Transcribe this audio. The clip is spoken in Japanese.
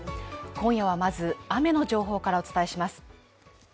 今夜は、まず雨の情報からお伝えします。